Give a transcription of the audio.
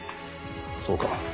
そうか。